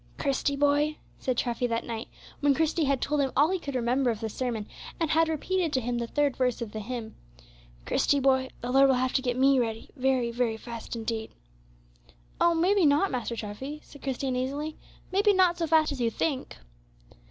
"Christie, boy," said Treffy, that night, when Christie had told him all he could remember of the sermon, and had repeated to him the third verse of the hymn, "Christie, boy, the Lord will have to get me ready very fast, very fast indeed." "Oh, maybe not, Master Treffy," said Christie, uneasily, "maybe not so fast as you think."